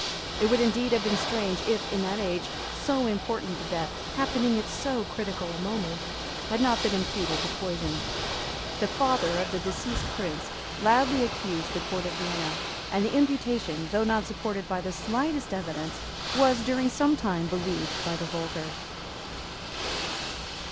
It would indeed have been strange if, in that age, so important a death, happening at so critical a moment, had not been imputed to poison. The father of the deceased Prince loudly accused the Court of Vienna; and the imputation, though not supported by the slightest evidence, was, during some time, believed by the vulgar.